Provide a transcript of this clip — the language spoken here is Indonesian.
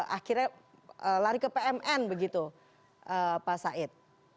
akhirnya lari ke pmn begitu pak said